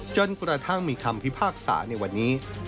จนกระทั่งมีคำพิพากษาในวันนี้